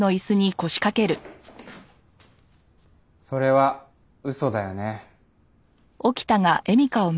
それは嘘だよね？